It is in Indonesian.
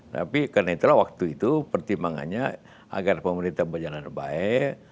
tapi karena itulah waktu itu pertimbangannya agar pemerintah berjalan baik